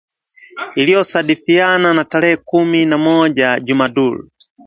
ILIYO SADIFIANA NA TAREHE KUMI NA MOJA JUMADUL